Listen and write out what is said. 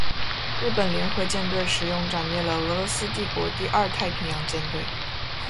日本联合舰队使用歼灭了俄罗斯帝国第二太平洋舰队。